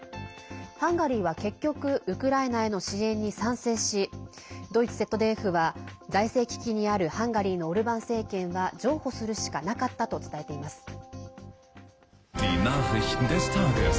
ハンガリーは結局ウクライナへの支援に賛成しドイツＺＤＦは財政危機にあるハンガリーのオルバン政権は譲歩するしかなかったと伝えています。